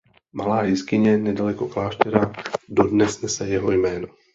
Malá jeskyně nedaleko kláštera dodnes nese jeho jméno.